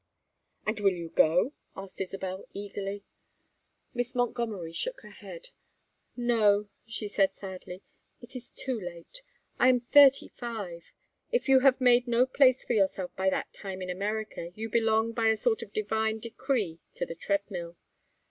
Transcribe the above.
"And you will go?" asked Isabel, eagerly. Miss Montgomery shook her head. "No," she said, sadly. "It is too late. I am thirty five. If you have made no place for yourself by that time in America you belong by a sort of divine decree to the treadmill.